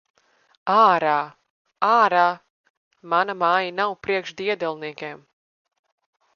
Ārā! Ārā! Mana māja nav priekš diedelniekiem!